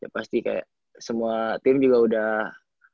pasti kayak semua tim juga udah